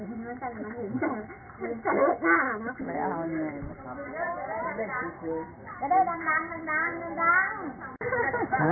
เห็นอะไรอะ